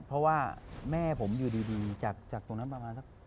เพราะว่าแม่ผมอยู่ดีจากตรงนั้นประมาณสัก